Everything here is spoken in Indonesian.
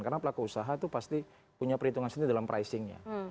karena pelaku usaha itu pasti punya perhitungan sendiri dalam pricingnya